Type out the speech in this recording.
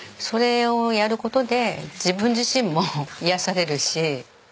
それをやる事で自分自身も癒やされるし。